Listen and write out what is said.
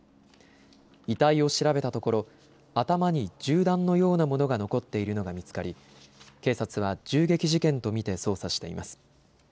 遺体を調べたところ頭に銃弾のようなものが残っているのが見つかり警察は銃撃事件と見て捜査しています。